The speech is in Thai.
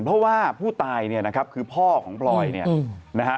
เพราะว่าผู้ตายเนี่ยนะครับคือพ่อของพลอยเนี่ยนะฮะ